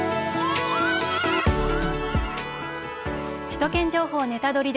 「首都圏情報ネタドリ！」